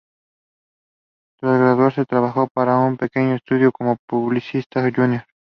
Tras graduarse, trabajó para un pequeño estudio como publicista junior.